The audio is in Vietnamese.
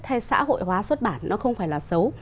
hay xã hội hóa xuất bản nó không phải là xấu